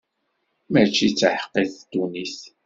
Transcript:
Mačči d taḥeqqit ddunit.